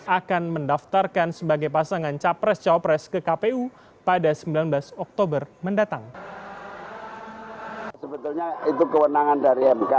akan mendaftarkan sebagai pasangan capres cawapres ke kpu pada sembilan belas oktober mendatang